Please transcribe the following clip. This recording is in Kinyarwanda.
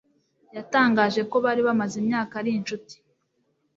Yatangaje ko bari bamaze imyaka ari inshuti